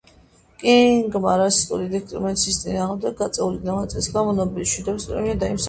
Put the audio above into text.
კინგმა რასისტული დისკრიმინაციის წინააღმდეგ გაწეული ღვაწლის გამო ნობელის მშვიდობის პრემია დაიმსახურა.